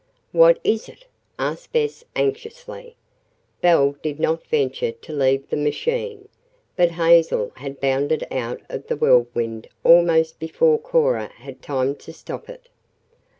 "What is it?" asked Bess anxiously. Belle did not venture to leave the machine, but Hazel had bounded out of the Whirlwind almost before Cora had time to stop it.